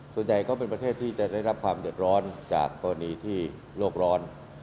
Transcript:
ส่วนใหญ่ก็เป็นประเทศที่จะได้รับความเดือดร้อนจากกรณีที่โลกร้อน